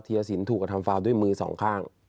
สินถูกกระทำฟาวด้วยมือสองข้าง